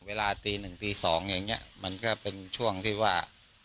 เวลาตีหนึ่งตีสองอย่างเงี้ยมันก็เป็นช่วงที่ว่า